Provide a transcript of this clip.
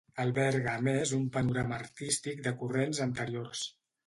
Alberga a més un panorama artístic de corrents anteriors.